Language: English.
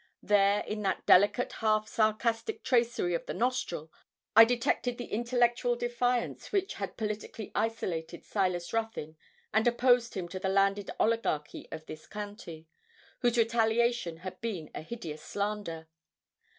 There in that delicate half sarcastic tracery of the nostril I detected the intellectual defiance which had politically isolated Silas Ruthyn and opposed him to the landed oligarchy of his county, whose retaliation had been a hideous slander.